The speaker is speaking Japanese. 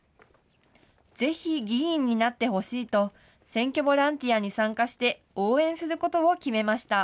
ぜひ議員になってほしいと、選挙ボランティアに参加して、応援することを決めました。